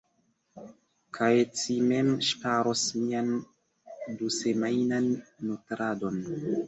Kaj ci mem ŝparos mian dusemajnan nutradon.